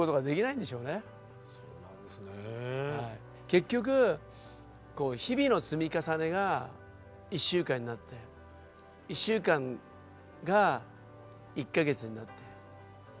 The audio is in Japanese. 結局こう日々の積み重ねが１週間になって１週間が１か月になって１か月が年という。